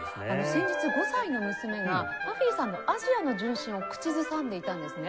先日５歳の娘がＰＵＦＦＹさんの『アジアの純真』を口ずさんでいたんですね。